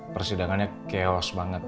persidangannya chaos banget